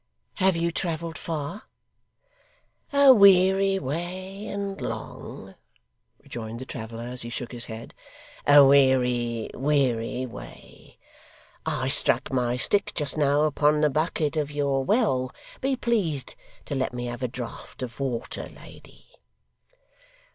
'Have you travelled far?' 'A weary way and long,' rejoined the traveller as he shook his head. 'A weary, weary, way. I struck my stick just now upon the bucket of your well be pleased to let me have a draught of water, lady.